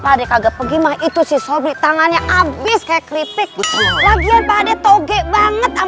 ya udah kalau gitu kita cari sobres bareng barengnya